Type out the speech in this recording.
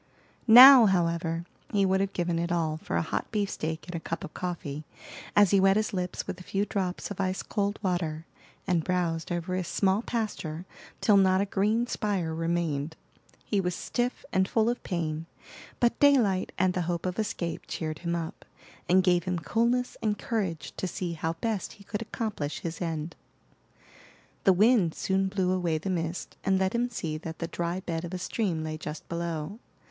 Now, however, he would have given it all for a hot beefsteak and a cup of coffee, as he wet his lips with a few drops of ice cold water, and browsed over his small pasture till not a green spire remained. He was stiff, and full of pain, but daylight and the hope of escape cheered him up, and gave him coolness and courage to see how best he could accomplish his end. The wind soon blew away the mist and let him see that the dry bed of a stream lay just below.